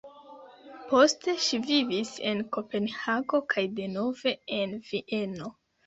Poste ŝi vivis en Kopenhago kaj denove en Vieno.